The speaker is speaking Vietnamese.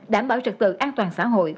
đảm bảo trực tự an toàn xã hội